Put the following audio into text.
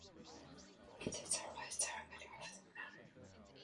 It is a left tributary of the Danube.